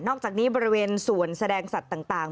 อกจากนี้บริเวณส่วนแสดงสัตว์ต่าง